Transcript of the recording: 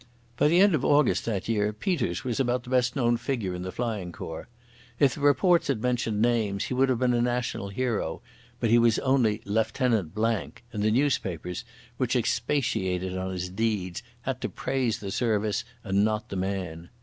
By the end of August that year Peter's was about the best known figure in the Flying Corps. If the reports had mentioned names he would have been a national hero, but he was only "Lieutenant Blank," and the newspapers, which expatiated on his deeds, had to praise the Service and not the man.